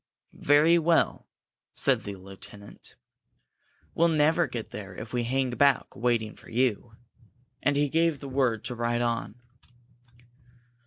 "Very well," said the lieutenant. "We'll never get there if we hang back waiting for you." And he gave the word to ride on.